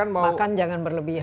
makan jangan berlebihan